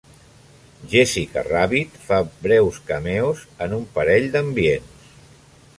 Jessica Rabbit fa breus cameos en un parell d'ambients.